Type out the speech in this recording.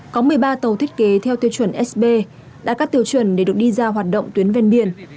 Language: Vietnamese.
có một mươi ba tàu thiết kế theo tiêu chuẩn sb đã các tiêu chuẩn để được đi ra hoạt động tuyến ven biển